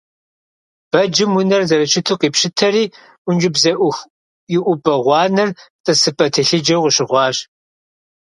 Бэджым унэр зэрыщыту къипщытэри, ӀункӀыбзэӀух иӀупӀэ гъуанэр тӀысыпӀэ телъыджэу къыщыхъуащ.